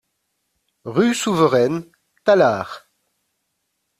Rue Souveraine, Tallard